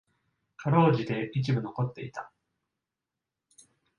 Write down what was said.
辛うじて一部残っていた。